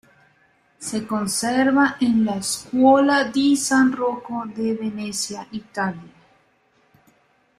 Se conserva en la Scuola di San Rocco de Venecia, Italia.